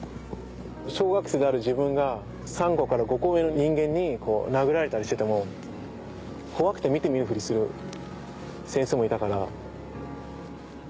小学生である自分が３個から５個上の人間に殴られたりしてても怖くて見て見ぬふりする先生もいたから。